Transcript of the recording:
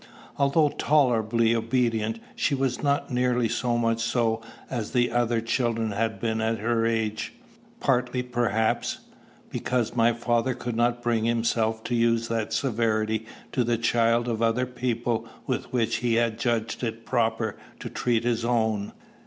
Although tolerably obedient, she was not nearly so much so as the other children had been at her age; partly, perhaps, because my father could not bring himself to use that severity to the child of other people with which he had judged it proper to treat his own.